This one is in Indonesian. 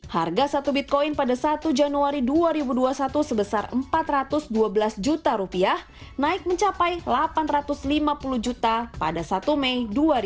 harga satu bitcoin pada satu januari dua ribu dua puluh satu sebesar rp empat ratus dua belas juta rupiah naik mencapai rp delapan ratus lima puluh juta pada satu mei dua ribu dua puluh